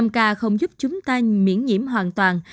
năm ca không giúp chúng ta miễn nhiễm hoàn toàn